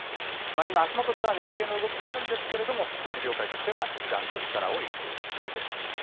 今、足元では値上げの動きもあるんですけれども、小売り業界としては一段と力を入れていきそうです。